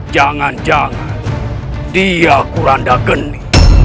jangan jangan dia kuranda geni